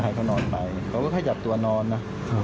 ให้เขานอนไปเขาก็ขยับตัวนอนนะ